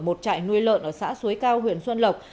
một trại nuôi lợn ở xã suối cao huyện xuân lộc